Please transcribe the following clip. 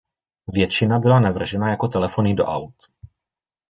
Většina byla navržena jako telefony do aut.